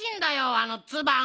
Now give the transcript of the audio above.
あのツバン。